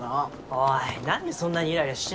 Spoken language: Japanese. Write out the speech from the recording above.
おい何でそんなにイライラしてんだよ。